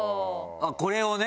あっこれをね。